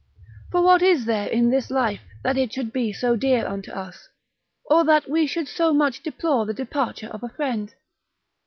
For what is there in this life, that it should be so dear unto us? or that we should so much deplore the departure of a friend?